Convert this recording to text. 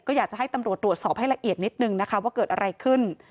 ก็อยากจะให้ตำรวจตรวจสอบให้ละเอียดนิดนึงนะคะว่าเกิดอะไรขึ้น